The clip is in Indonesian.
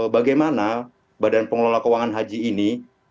bagaimana badan pengelola keuangan haji ini